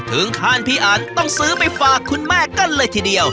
ถึงขั้นพี่อันต้องซื้อไปฝากคุณแม่กันเลยทีเดียว